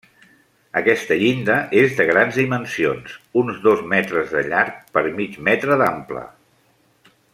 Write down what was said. Aquesta llinda és de grans dimensions, uns dos metres de llarg per mig metre d'ample.